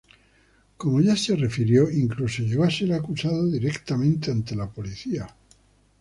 Como ya se refirió, incluso llegó a ser acusado directamente ante la policía.